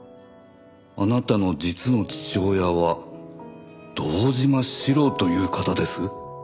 「あなたの実の父親は堂島志郎という方です」